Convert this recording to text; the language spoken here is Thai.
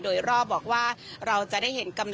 โดยรอบบอกว่าเราจะได้เห็นกำลัง